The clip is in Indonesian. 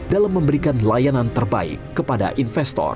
dalam memberikan layanan terbaik kepada investor